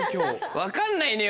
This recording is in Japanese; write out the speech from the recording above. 分かんないのよ